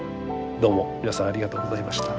どうも皆さんありがとうございました。